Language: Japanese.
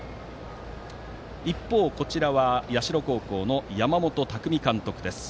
一方、社高校の山本巧監督です。